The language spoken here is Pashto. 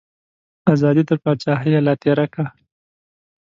ازادي تر پاچاهیه لا تیری کا.